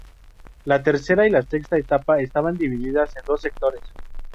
La tercera y la sexta etapa estaban divididas en dos sectores.